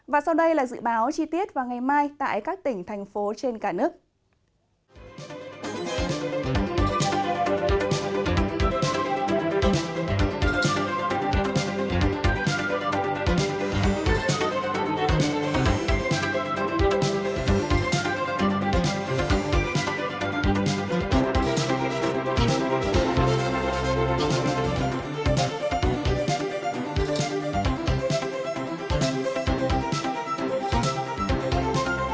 và sau đây là dự báo chi tiết vào ngày mai tại các tỉnh thành phố trên cả nước